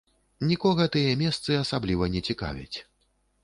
Нікога тыя месцы асабліва не цікавяць.